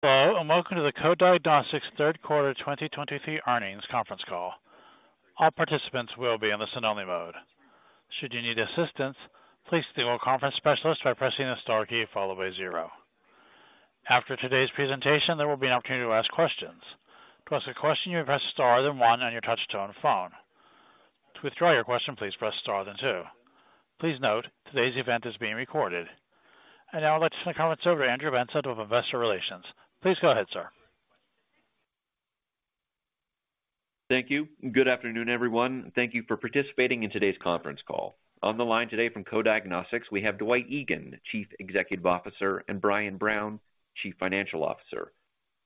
Hello, and welcome to the Co-Diagnostics third quarter 2023 earnings conference call. All participants will be in the listen-only mode. Should you need assistance, please dial the conference specialist by pressing the star key, followed by zero. After today's presentation, there will be an opportunity to ask questions. To ask a question, you press star, then one on your touchtone phone. To withdraw your question, please press star, then two. Please note, today's event is being recorded. I now turn the call over to Andrew Benson of Investor Relations. Please go ahead, sir. Thank you. Good afternoon, everyone. Thank you for participating in today's conference call. On the line today from Co-Diagnostics, we have Dwight Egan, Chief Executive Officer, and Brian Brown, Chief Financial Officer.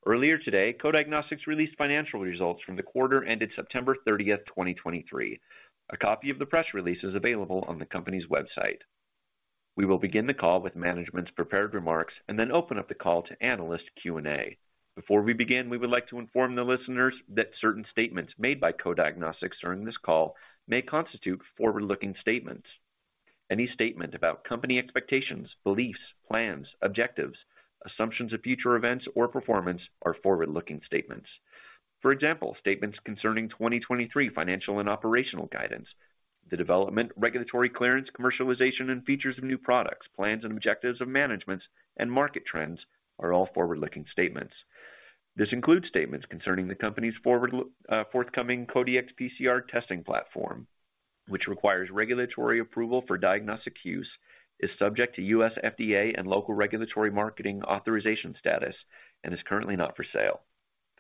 Earlier today, Co-Diagnostics released financial results from the quarter ended September 30th, 2023. A copy of the press release is available on the company's website. We will begin the call with management's prepared remarks and then open up the call to analyst Q&A. Before we begin, we would like to inform the listeners that certain statements made by Co-Diagnostics during this call may constitute forward-looking statements. Any statement about company expectations, beliefs, plans, objectives, assumptions of future events or performance are forward-looking statements. For example, statements concerning 2023 financial and operational guidance, the development, regulatory clearance, commercialization, and features of new products, plans and objectives of management's and market trends are all forward-looking statements. This includes statements concerning the company's forward, forthcoming Co-Dx PCR testing platform, which requires regulatory approval for diagnostic use, is subject to U.S. FDA and local regulatory marketing authorization status, and is currently not for sale.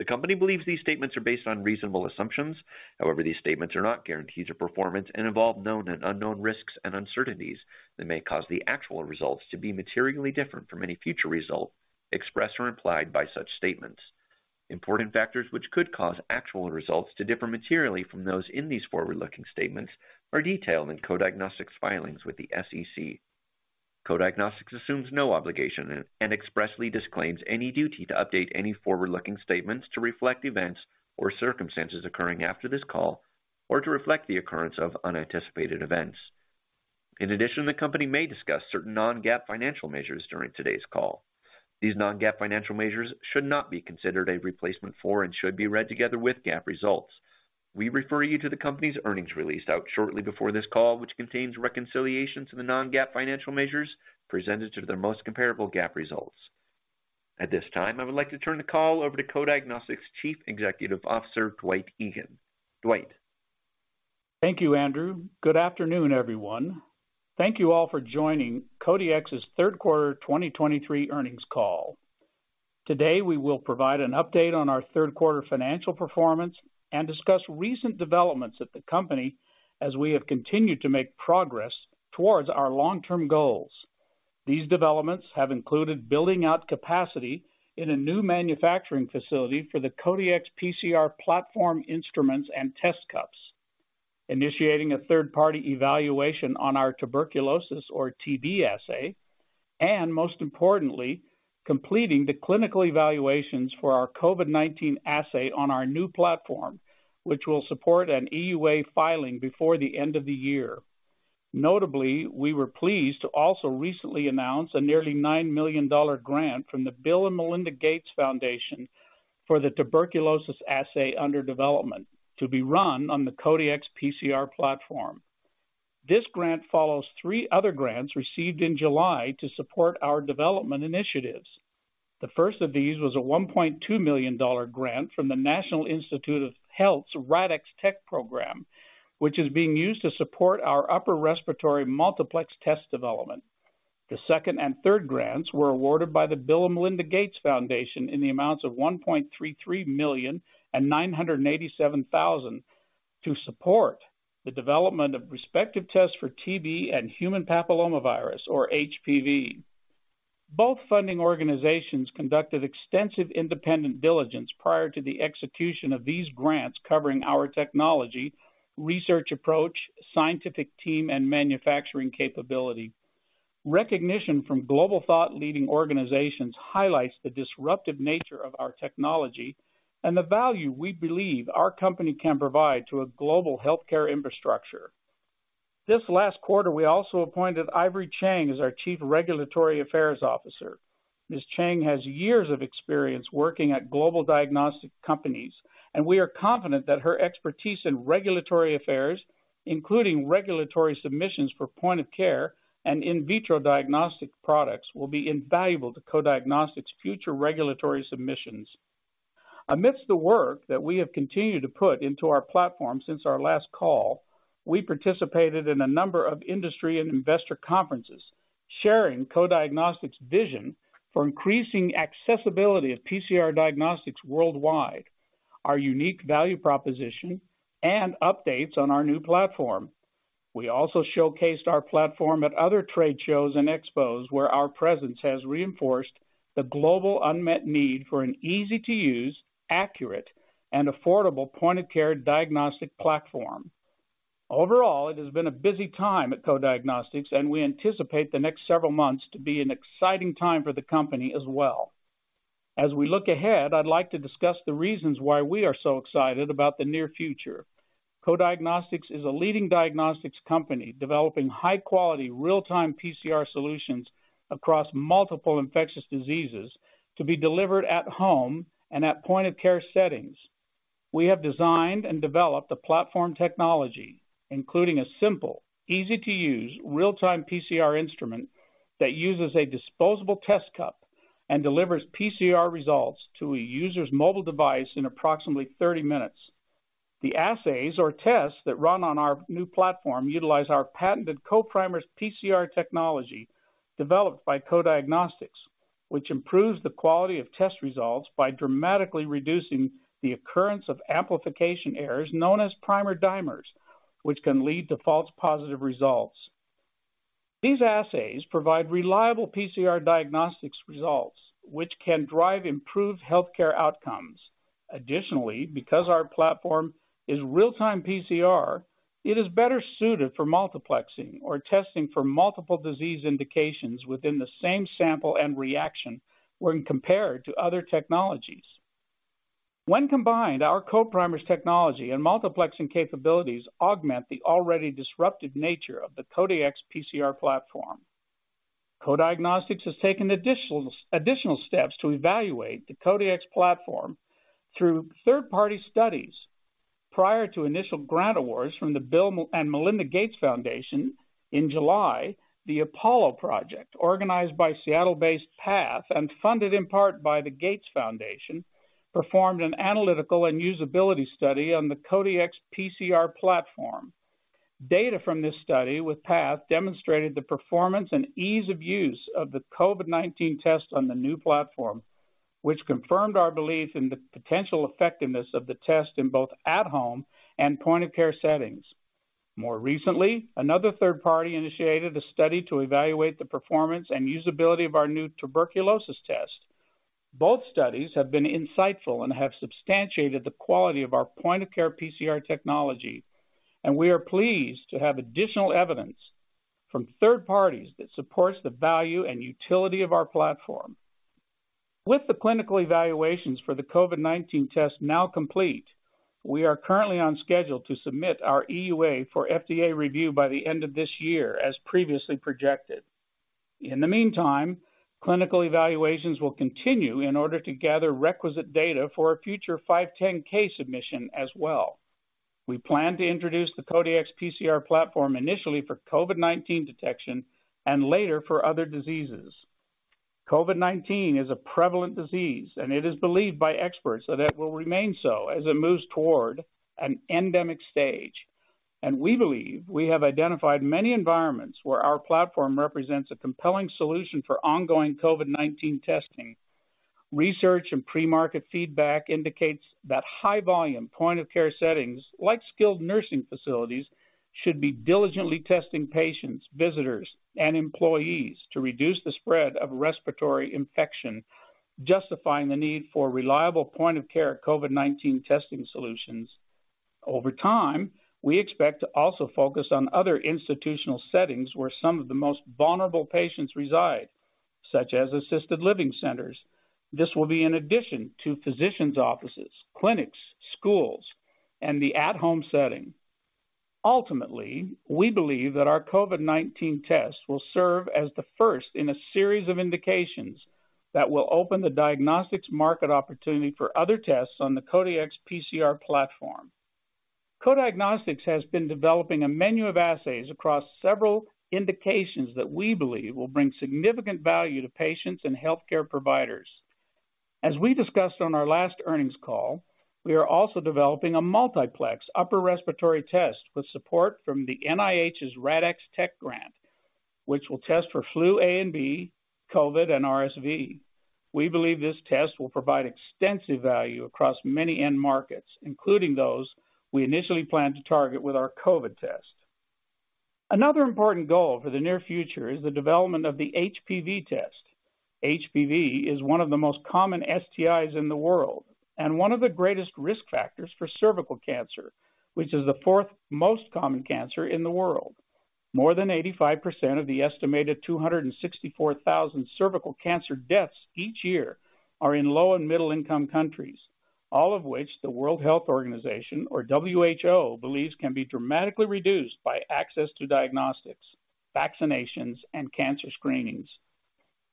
The company believes these statements are based on reasonable assumptions. However, these statements are not guarantees of performance and involve known and unknown risks and uncertainties that may cause the actual results to be materially different from any future result expressed or implied by such statements. Important factors which could cause actual results to differ materially from those in these forward-looking statements are detailed in Co-Diagnostics' filings with the SEC. Co-Diagnostics assumes no obligation and expressly disclaims any duty to update any forward-looking statements to reflect events or circumstances occurring after this call or to reflect the occurrence of unanticipated events. In addition, the company may discuss certain non-GAAP financial measures during today's call. These non-GAAP financial measures should not be considered a replacement for and should be read together with GAAP results. We refer you to the company's earnings release out shortly before this call, which contains reconciliations to the non-GAAP financial measures presented to their most comparable GAAP results. At this time, I would like to turn the call over to Co-Diagnostics' Chief Executive Officer, Dwight Egan. Dwight? Thank you, Andrew. Good afternoon, everyone. Thank you all for joining Co-Diagnostics' third quarter 2023 earnings call. Today, we will provide an update on our third quarter financial performance and discuss recent developments at the company as we have continued to make progress towards our long-term goals. These developments have included building out capacity in a new manufacturing facility for the Co-Dx PCR platform instruments and test cups, initiating a third-party evaluation on our tuberculosis or TB assay, and most importantly, completing the clinical evaluations for our COVID-19 assay on our new platform, which will support an EUA filing before the end of the year. Notably, we were pleased to also recently announce a nearly $9 million grant from the Bill & Melinda Gates Foundation for the tuberculosis assay under development to be run on the Co-Dx PCR platform. This grant follows three other grants received in July to support our development initiatives. The first of these was a $1.2 million grant from the National Institutes of Health's RADx Tech program, which is being used to support our upper respiratory multiplex test development. The second and third grants were awarded by the Bill & Melinda Gates Foundation in the amounts of $1.33 million and $987,000 to support the development of respective tests for TB and human papillomavirus or HPV. Both funding organizations conducted extensive independent diligence prior to the execution of these grants, covering our technology, research approach, scientific team, and manufacturing capability. Recognition from global thought-leading organizations highlights the disruptive nature of our technology and the value we believe our company can provide to a global healthcare infrastructure. This last quarter, we also appointed Ivory Chang as our Chief Regulatory Affairs Officer. Ms. Chang has years of experience working at global diagnostic companies, and we are confident that her expertise in regulatory affairs, including regulatory submissions for point-of-care and in vitro diagnostic products, will be invaluable to Co-Diagnostics' future regulatory submissions. Amidst the work that we have continued to put into our platform since our last call, we participated in a number of industry and investor conferences, sharing Co-Diagnostics' vision for increasing accessibility of PCR diagnostics worldwide, our unique value proposition and updates on our new platform. We also showcased our platform at other trade shows and expos, where our presence has reinforced the global unmet need for an easy-to-use, accurate, and affordable point-of-care diagnostic platform. Overall, it has been a busy time at Co-Diagnostics, and we anticipate the next several months to be an exciting time for the company as well. As we look ahead, I'd like to discuss the reasons why we are so excited about the near future. Co-Diagnostics is a leading diagnostics company developing high quality, real-time PCR solutions across multiple infectious diseases to be delivered at home and at point-of-care settings. We have designed and developed a platform technology, including a simple, easy-to-use, real-time PCR instrument that uses a disposable test cup and delivers PCR results to a user's mobile device in approximately 30 minutes. The assays or tests that run on our new platform utilize our patented Co-Primers PCR technology, developed by Co-Diagnostics, which improves the quality of test results by dramatically reducing the occurrence of amplification errors known as primer dimers, which can lead to false positive results. These assays provide reliable PCR diagnostics results, which can drive improved healthcare outcomes. Additionally, because our platform is real-time PCR, it is better suited for multiplexing or testing for multiple disease indications within the same sample and reaction when compared to other technologies. When combined, our Co-Primers technology and multiplexing capabilities augment the already disruptive nature of the Co-Dx PCR platform. Co-Diagnostics has taken additional steps to evaluate the Co-Dx platform through third-party studies. Prior to initial grant awards from the Bill & Melinda Gates Foundation in July, the Apollo Project, organized by Seattle-based PATH and funded in part by the Gates Foundation, performed an analytical and usability study on the Co-Dx PCR platform. Data from this study with PATH demonstrated the performance and ease of use of the COVID-19 test on the new platform, which confirmed our belief in the potential effectiveness of the test in both at-home and point-of-care settings. More recently, another third party initiated a study to evaluate the performance and usability of our new tuberculosis test. Both studies have been insightful and have substantiated the quality of our point-of-care PCR technology, and we are pleased to have additional evidence from third parties that supports the value and utility of our platform. With the clinical evaluations for the COVID-19 test now complete, we are currently on schedule to submit our EUA for FDA review by the end of this year, as previously projected. In the meantime, clinical evaluations will continue in order to gather requisite data for a future 510(k) submission as well. We plan to introduce the Co-Dx PCR platform initially for COVID-19 detection and later for other diseases. COVID-19 is a prevalent disease, and it is believed by experts that it will remain so as it moves toward an endemic stage. We believe we have identified many environments where our platform represents a compelling solution for ongoing COVID-19 testing. Research and pre-market feedback indicates that high volume, point-of-care settings, like skilled nursing facilities, should be diligently testing patients, visitors, and employees to reduce the spread of respiratory infection, justifying the need for reliable point-of-care COVID-19 testing solutions. Over time, we expect to also focus on other institutional settings where some of the most vulnerable patients reside, such as assisted living centers. This will be in addition to physicians' offices, clinics, schools, and the at-home setting. Ultimately, we believe that our COVID-19 test will serve as the first in a series of indications that will open the diagnostics market opportunity for other tests on the Co-Dx PCR platform. Co-Diagnostics has been developing a menu of assays across several indications that we believe will bring significant value to patients and healthcare providers. As we discussed on our last earnings call, we are also developing a multiplex upper respiratory test with support from the NIH's RADx Tech Grant, which will test for flu A and B, COVID, and RSV. We believe this test will provide extensive value across many end markets, including those we initially planned to target with our COVID test. Another important goal for the near future is the development of the HPV test. HPV is one of the most common STIs in the world and one of the greatest risk factors for cervical cancer, which is the fourth most common cancer in the world. More than 85% of the estimated 264,000 cervical cancer deaths each year are in low and middle-income countries, all of which the World Health Organization, or WHO, believes can be dramatically reduced by access to diagnostics, vaccinations, and cancer screenings.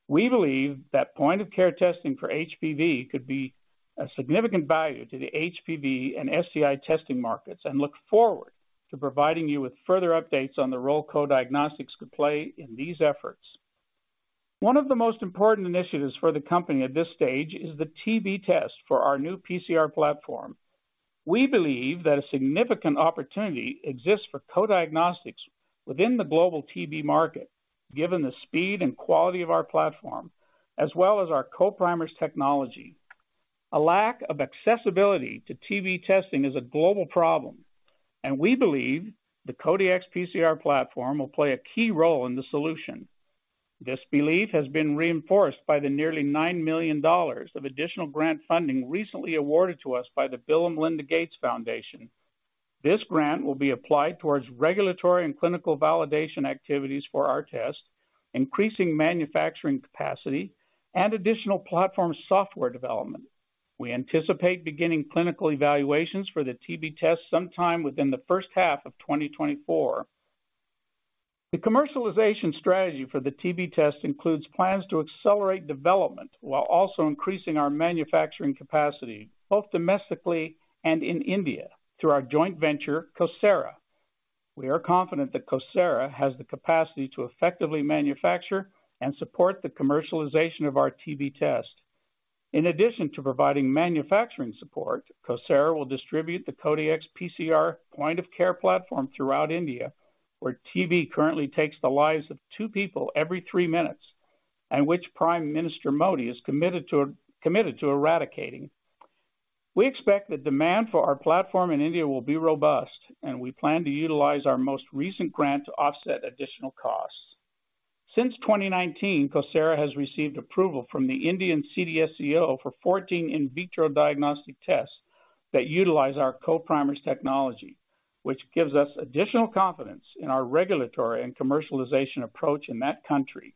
We believe that point-of-care testing for HPV could be a significant value to the HPV and STI testing markets, and look forward to providing you with further updates on the role Co-Diagnostics could play in these efforts. One of the most important initiatives for the company at this stage is the TB test for our new PCR platform. We believe that a significant opportunity exists for Co-Diagnostics within the global TB market, given the speed and quality of our platform, as well as our Co-Primers technology. A lack of accessibility to TB testing is a global problem, and we believe the Co-Dx PCR platform will play a key role in the solution. This belief has been reinforced by the nearly $9 million of additional grant funding recently awarded to us by the Bill & Melinda Gates Foundation. This grant will be applied towards regulatory and clinical validation activities for our test, increasing manufacturing capacity and additional platform software development. We anticipate beginning clinical evaluations for the TB test sometime within the first half of 2024. The commercialization strategy for the TB test includes plans to accelerate development while also increasing our manufacturing capacity, both domestically and in India, through our joint venture, CoSara. We are confident that CoSara has the capacity to effectively manufacture and support the commercialization of our TB test. In addition to providing manufacturing support, CoSara will distribute the Co-Dx PCR point-of-care platform throughout India, where TB currently takes the lives of two people every three minutes, and which Prime Minister Modi is committed to, committed to eradicating. We expect the demand for our platform in India will be robust, and we plan to utilize our most recent grant to offset additional costs. Since 2019, CoSara has received approval from the Indian CDSCO for 14 in vitro diagnostic tests that utilize our Co-Primers technology, which gives us additional confidence in our regulatory and commercialization approach in that country.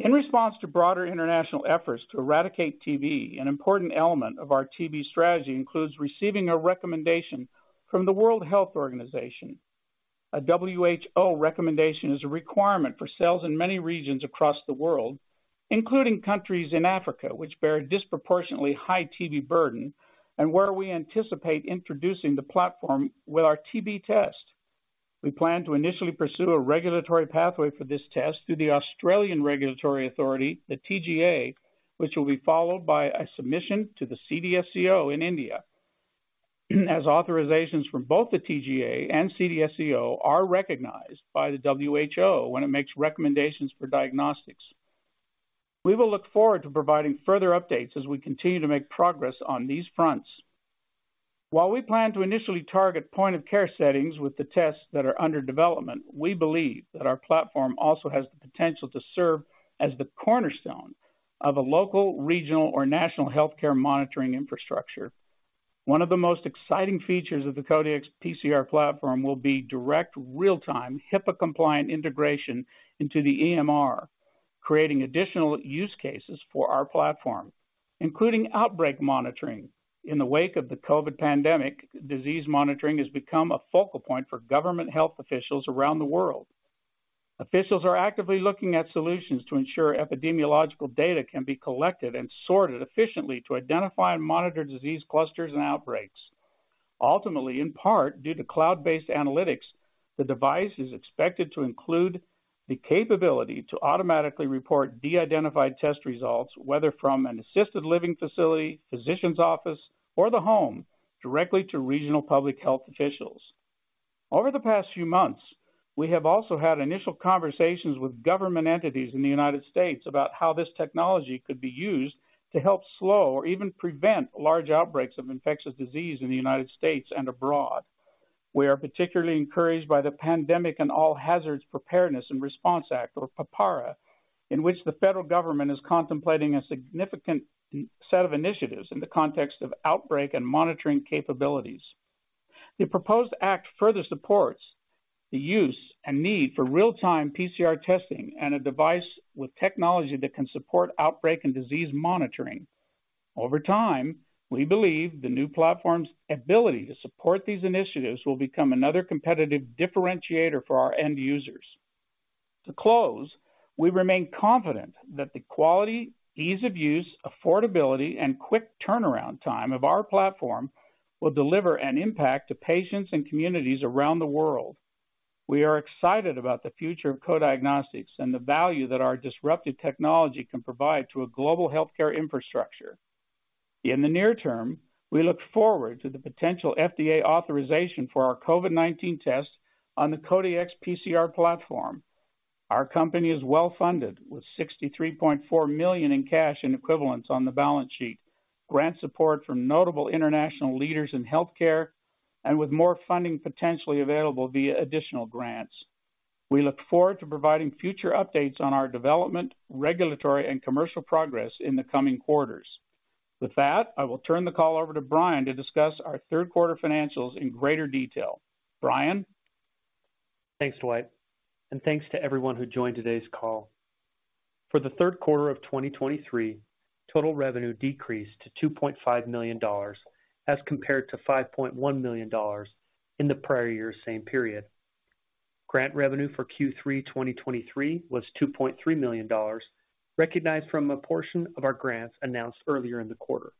In response to broader international efforts to eradicate TB, an important element of our TB strategy includes receiving a recommendation from the World Health Organization. A WHO recommendation is a requirement for sales in many regions across the world, including countries in Africa, which bear a disproportionately high TB burden and where we anticipate introducing the platform with our TB test. We plan to initially pursue a regulatory pathway for this test through the Australian Regulatory Authority, the TGA, which will be followed by a submission to the CDSCO in India, as authorizations from both the TGA and CDSCO are recognized by the WHO when it makes recommendations for diagnostics. We will look forward to providing further updates as we continue to make progress on these fronts. While we plan to initially target point-of-care settings with the tests that are under development, we believe that our platform also has the potential to serve as the cornerstone of a local, regional, or national healthcare monitoring infrastructure. One of the most exciting features of the Co-Dx PCR platform will be direct, real-time, HIPAA-compliant integration into the EMR, creating additional use cases for our platform, including outbreak monitoring. In the wake of the COVID pandemic, disease monitoring has become a focal point for government health officials around the world. Officials are actively looking at solutions to ensure epidemiological data can be collected and sorted efficiently to identify and monitor disease clusters and outbreaks. Ultimately, in part, due to cloud-based analytics, the device is expected to include the capability to automatically report de-identified test results, whether from an assisted living facility, physician's office, or the home, directly to regional public health officials. Over the past few months, we have also had initial conversations with government entities in the United States about how this technology could be used to help slow or even prevent large outbreaks of infectious disease in the United States and abroad. We are particularly encouraged by the Pandemic and All-Hazards Preparedness and Response Act, or PAHPRA, in which the federal government is contemplating a significant set of initiatives in the context of outbreak and monitoring capabilities. The proposed act further supports the use and need for real-time PCR testing and a device with technology that can support outbreak and disease monitoring. Over time, we believe the new platform's ability to support these initiatives will become another competitive differentiator for our end users. To close, we remain confident that the quality, ease of use, affordability, and quick turnaround time of our platform will deliver an impact to patients and communities around the world. We are excited about the future of Co-Diagnostics and the value that our disruptive technology can provide to a global healthcare infrastructure. In the near term, we look forward to the potential FDA authorization for our COVID-19 test on the Co-Dx PCR platform. Our company is well-funded, with $63.4 million in cash and equivalents on the balance sheet, grant support from notable international leaders in healthcare, and with more funding potentially available via additional grants. We look forward to providing future updates on our development, regulatory, and commercial progress in the coming quarters. With that, I will turn the call over to Brian to discuss our third quarter financials in greater detail. Brian? Thanks, Dwight, and thanks to everyone who joined today's call. For the third quarter of 2023, total revenue decreased to $2.5 million, as compared to $5.1 million in the prior year's same period. Grant revenue for Q3 2023 was $2.3 million, recognized from a portion of our grants announced earlier in the quarter.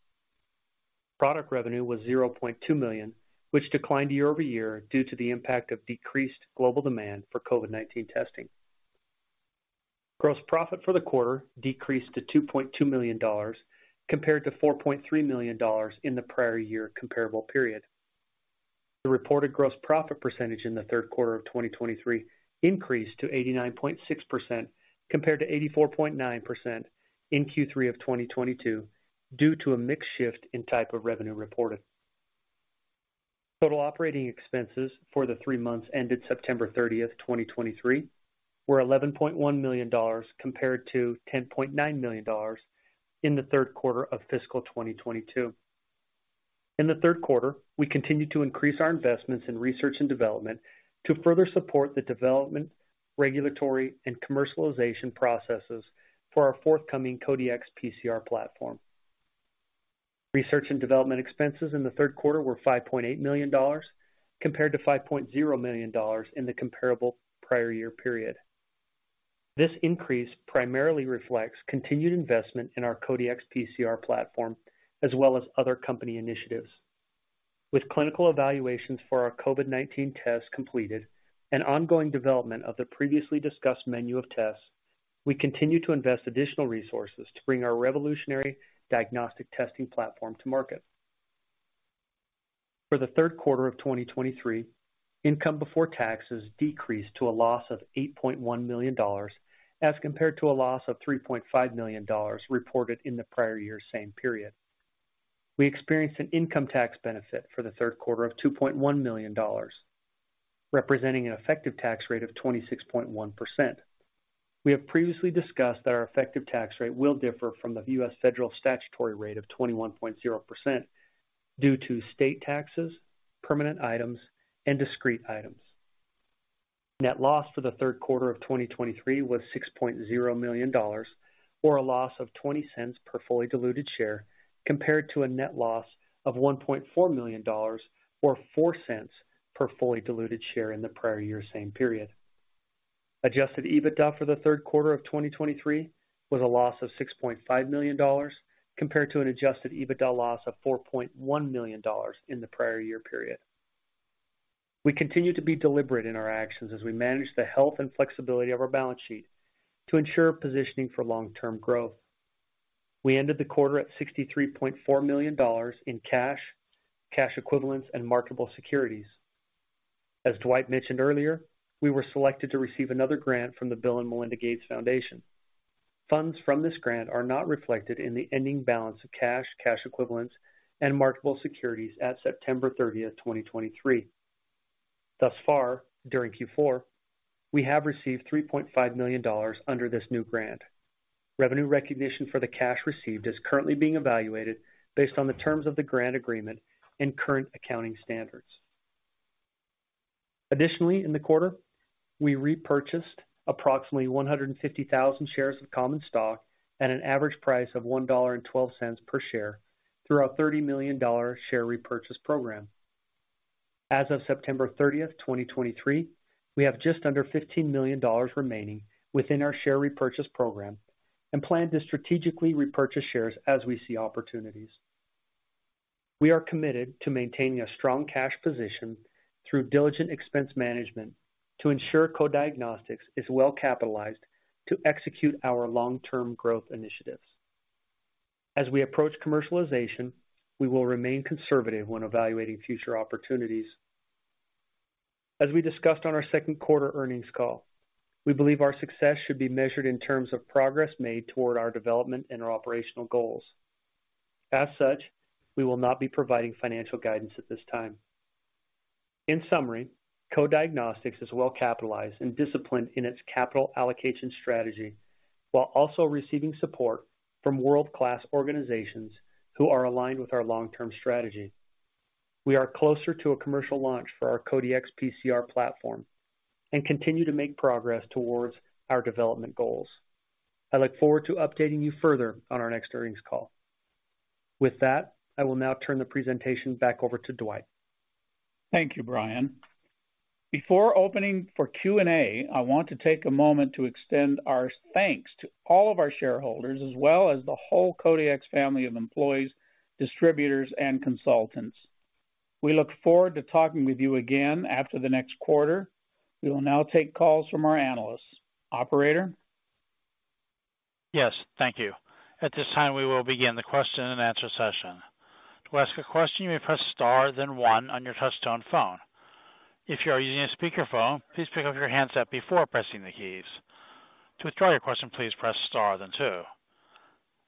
Product revenue was $0.2 million, which declined year-over-year due to the impact of decreased global demand for COVID-19 testing. Gross profit for the quarter decreased to $2.2 million, compared to $4.3 million in the prior year comparable period. The reported gross profit percentage in the third quarter of 2023 increased to 89.6%, compared to 84.9% in Q3 of 2022, due to a mix shift in type of revenue reported. Total operating expenses for the three months ended September 30th, 2023, were $11.1 million, compared to $10.9 million in the third quarter of fiscal 2022. In the third quarter, we continued to increase our investments in research and development to further support the development, regulatory, and commercialization processes for our forthcoming Co-Dx PCR platform. Research and development expenses in the third quarter were $5.8 million, compared to $5.0 million in the comparable prior year period. This increase primarily reflects continued investment in our Co-Dx PCR platform, as well as other company initiatives. With clinical evaluations for our COVID-19 tests completed and ongoing development of the previously discussed menu of tests, we continue to invest additional resources to bring our revolutionary diagnostic testing platform to market. For the third quarter of 2023, income before taxes decreased to a loss of $8.1 million, as compared to a loss of $3.5 million reported in the prior year same period. We experienced an income tax benefit for the third quarter of $2.1 million, representing an effective tax rate of 26.1%. We have previously discussed that our effective tax rate will differ from the U.S. federal statutory rate of 21.0% due to state taxes, permanent items, and discrete items. Net loss for the third quarter of 2023 was $6.0 million, or a loss of $0.20 per fully diluted share, compared to a net loss of $1.4 million, or $0.04 per fully diluted share in the prior year same period. Adjusted EBITDA for the third quarter of 2023 was a loss of $6.5 million, compared to an Adjusted EBITDA loss of $4.1 million in the prior year period. We continue to be deliberate in our actions as we manage the health and flexibility of our balance sheet to ensure positioning for long-term growth. We ended the quarter at $63.4 million in cash, cash equivalents, and marketable securities. As Dwight mentioned earlier, we were selected to receive another grant from the Bill & Melinda Gates Foundation. Funds from this grant are not reflected in the ending balance of cash, cash equivalents, and marketable securities at September 30th, 2023. Thus far, during Q4, we have received $3.5 million under this new grant. Revenue recognition for the cash received is currently being evaluated based on the terms of the grant agreement and current accounting standards. Additionally, in the quarter, we repurchased approximately 150,000 shares of common stock at an average price of $1.12 per share through our $30 million share repurchase program. As of September 30th, 2023, we have just under $15 million remaining within our share repurchase program and plan to strategically repurchase shares as we see opportunities. We are committed to maintaining a strong cash position through diligent expense management to ensure Co-Diagnostics is well capitalized to execute our long-term growth initiatives. As we approach commercialization, we will remain conservative when evaluating future opportunities. As we discussed on our second quarter earnings call, we believe our success should be measured in terms of progress made toward our development and our operational goals. As such, we will not be providing financial guidance at this time. In summary, Co-Diagnostics is well capitalized and disciplined in its capital allocation strategy, while also receiving support from world-class organizations who are aligned with our long-term strategy. We are closer to a commercial launch for our Co-Dx PCR platform and continue to make progress towards our development goals. I look forward to updating you further on our next earnings call. With that, I will now turn the presentation back over to Dwight. Thank you, Brian. Before opening for Q&A, I want to take a moment to extend our thanks to all of our shareholders, as well as the whole Co-Dx's family of employees, distributors, and consultants. We look forward to talking with you again after the next quarter. We will now take calls from our analysts. Operator? Yes, thank you. At this time, we will begin the question and answer session. To ask a question, you may press star, then one on your touchtone phone. If you are using a speakerphone, please pick up your handset before pressing the keys. To withdraw your question, please press star, then two.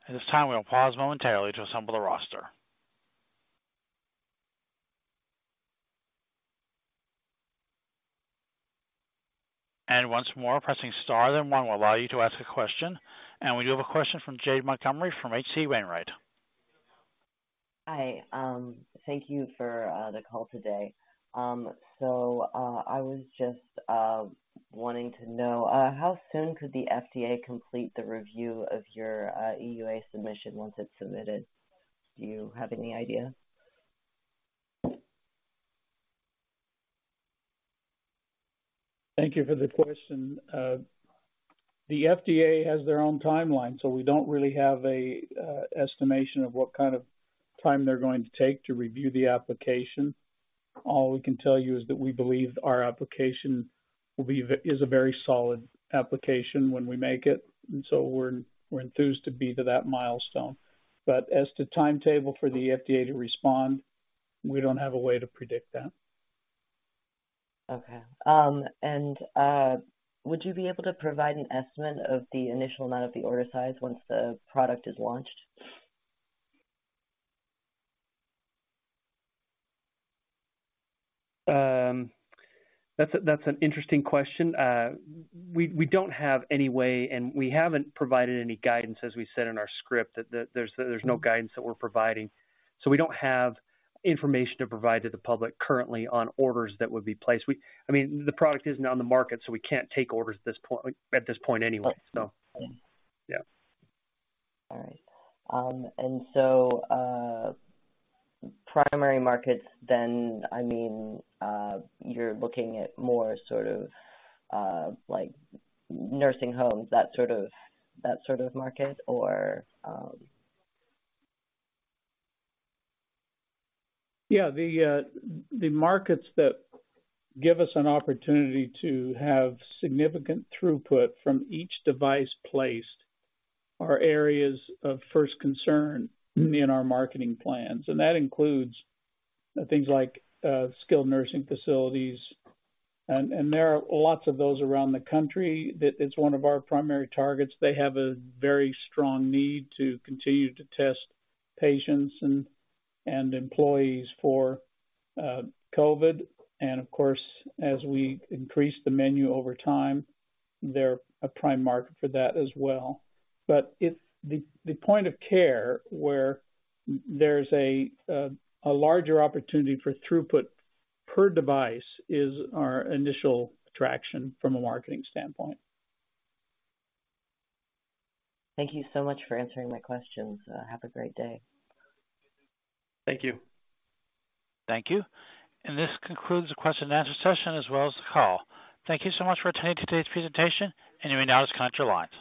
At this time, we will pause momentarily to assemble the roster. And once more, pressing star then one will allow you to ask a question. And we do have a question from Jade Montgomery, from H.C. Wainwright. Hi, thank you for the call today. So, I was just wanting to know how soon could the FDA complete the review of your EUA submission once it's submitted? Do you have any idea? Thank you for the question. The FDA has their own timeline, so we don't really have a estimation of what kind of time they're going to take to review the application. All we can tell you is that we believe our application will be... is a very solid application when we make it, and so we're enthused to be to that milestone. But as to timetable for the FDA to respond, we don't have a way to predict that. Okay, and would you be able to provide an estimate of the initial amount of the order size once the product is launched? That's an interesting question. We don't have any way, and we haven't provided any guidance, as we said in our script, that there's no guidance that we're providing. So we don't have information to provide to the public currently on orders that would be placed. I mean, the product isn't on the market, so we can't take orders at this point anyway, so. Okay. Yeah. All right. And so, primary markets then, I mean, you're looking at more sort of, like nursing homes, that sort of, that sort of market, or...? Yeah, the markets that give us an opportunity to have significant throughput from each device placed are areas of first concern in our marketing plans, and that includes things like skilled nursing facilities, and there are lots of those around the country. That's one of our primary targets. They have a very strong need to continue to test patients and employees for COVID. And of course, as we increase the menu over time, they're a prime market for that as well. But it's the point of care where there's a larger opportunity for throughput per device is our initial attraction from a marketing standpoint. Thank you so much for answering my questions. Have a great day. Thank you. Thank you. This concludes the question and answer session as well as the call. Thank you so much for attending today's presentation, and you may now disconnect your line.